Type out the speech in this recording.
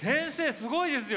すごいですよ。